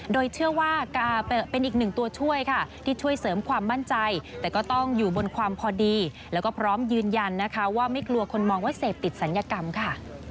โดยเชื่อว่าเป็นอีกหนึ่งตัวช่วยค่ะที่ช่วยเสริมความมั่นใจแต่ก็ต้องอยู่บนความพอดีแล้วก็พร้อมยืนยันนะคะว่าไม่กลัวคนมองว่าเสพติดศัลยกรรมค่ะ